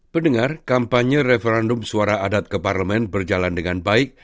pendengar kampanye referendum suara adat ke parlemen berjalan dengan baik